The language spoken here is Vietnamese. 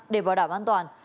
để bảo đảm an toàn